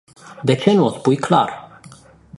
De ce nu o spui clar?